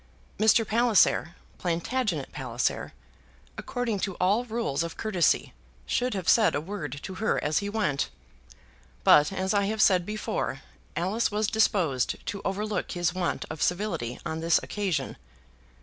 Mr. Palliser, Plantagenet Palliser, according to all rules of courtesy should have said a word to her as he went; but, as I have said before, Alice was disposed to overlook his want of civility on this occasion.